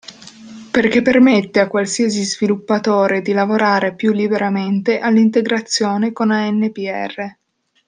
Perché permette a qualsiasi sviluppatore di lavorare più liberamente all'integrazione con ANPR.